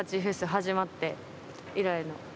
１８祭始まって以来の。